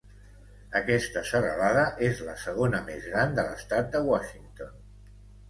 Aquesta serralada és la segona més gran de l'Estat de Washington.